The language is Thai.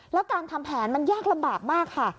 แล้วการทำแผนมันยากลำบากมากค่ะ